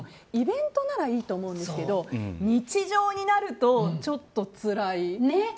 イベントならいいと思うんですけど日常になるとちょっとつらい。